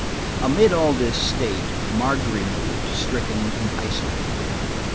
Amid all this state Margery moved, stricken and isolated.